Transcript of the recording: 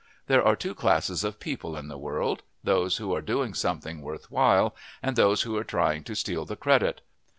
There are two classes of people in the world those who are doing something worth while and those who are trying to steal the credit.